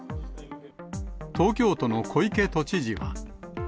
東京都の小池都知事は。